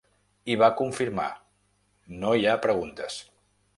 I va confirmar: no hi ha preguntes.